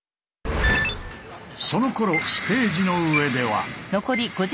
そのころステージの上では。